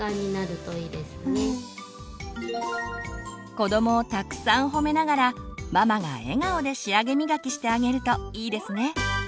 子どもをたくさん褒めながらママが笑顔で仕上げみがきしてあげるといいですね。